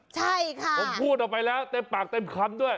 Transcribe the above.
ใช่ค่ะผมพูดออกไปแล้วเต็มปากเต็มคำด้วย